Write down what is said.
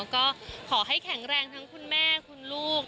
ก็ขอให้แข็งแรงทั้งคุณแม่คุณลูก